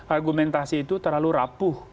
argumentasi itu terlalu rapuh